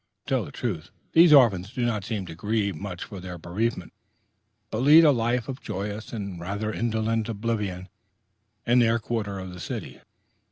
To tell the truth these orphans do not seem to grieve much for their bereavement, but lead a life of joyous, and rather indolent oblivion in their quarter of the city.